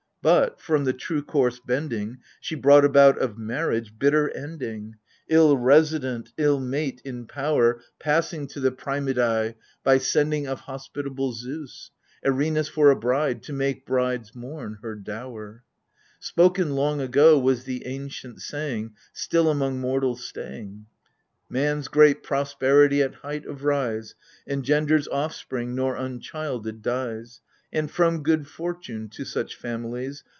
But — from the true course bending — She brought about, of marriage, bitter ending : Ill resident, ill mate, in power 62 AGAMEMNON. Passing to the Priamidai — by sending Of Hospitable Zeus — Erinus for a bride, : to make brides mourn, her dower. Spoken long ago Was the ancient saying Still among mortals staying :" Man's great prosperity at height of rise Engenders offspring nor unchilded dies ; And, from good fortune, to such families.